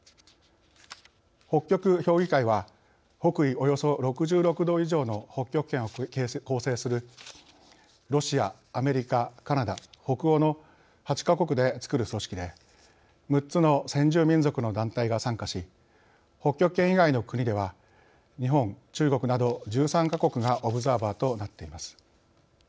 北極評議会は北緯およそ６６度以上の北極圏を構成するロシアアメリカ、カナダ、北欧の８か国でつくる組織で６つの先住民族の団体が参加し北極圏以外の国では日本、中国など１３か国がオブザーバーとなっています。